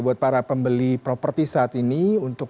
buat para pembeli properti saat ini untuk